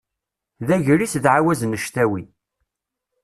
D agris d ɛawaz n ctawi.